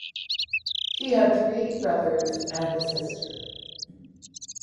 He had three brothers and a sister.